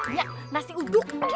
nya nasi uduk